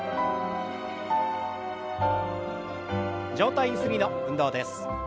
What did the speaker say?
上体ゆすりの運動です。